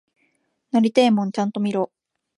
なりてえもんちゃんと見ろ！